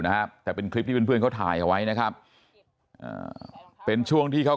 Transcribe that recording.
นะครับแต่เป็นคลิปที่เพื่อนเขาถ่ายไว้นะครับเป็นช่วงที่เขา